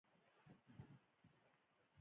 د مسلمانانو پاتې لښکر یې له کوم زیان پرته راوویست.